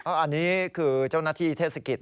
อันนี้คือเจ้าหน้าที่เทศกิจ